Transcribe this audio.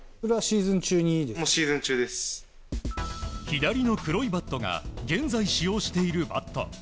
左の黒いバットが現在、使用しているバット。